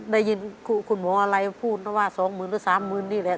ได้ยินคุณหมออะไรพูดว่า๒หมื่นหรือ๓หมื่นนี่แหละ